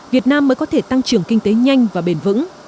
việt nam mới có thể tăng trưởng kinh tế nhanh và bền vững